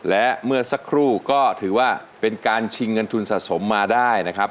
และเมื่อสักครู่ก็ถือว่าเป็นการชิงเงินทุนสะสมมาได้นะครับ